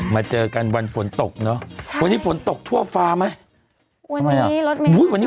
มาเจอกันวันฝนตกเนอะใช่วันนี้ฝนตกทั่วฟ้าไหมวันนี้รถเมย์อุ้ยวันนี้